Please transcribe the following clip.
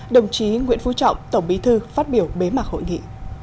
đồng chí nguyễn phú trọng tổng bí thư phát biểu bế mạc hội nghị